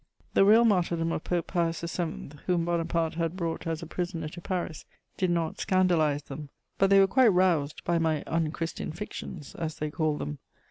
The real martyrdom of Pope Pius VII., whom Bonaparte had brought as a prisoner to Paris, did not scandalize them, but they were quite roused by my un Christian fictions, as they called them.